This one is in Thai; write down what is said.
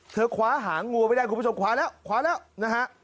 เธอขวาหางงูไปได้ครับคุณผู้ชมขวาแล้วขวาแล้วนะฮะ